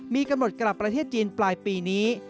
มีกำหนดกลับประเทศจีนปลายปีนี้